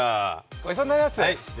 ごちそうになります！